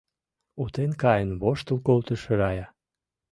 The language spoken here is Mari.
— Утен каен воштыл колтыш Рая.